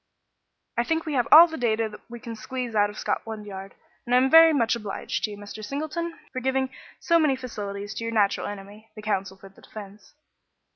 "I think we have all the data that we can squeeze out of Scotland Yard, and I am very much obliged to you, Mr. Singleton, for giving so many facilities to your natural enemy, the counsel for the defence."